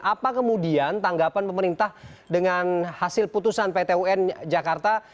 apa kemudian tanggapan pemerintah dengan hasil putusan pt un jakarta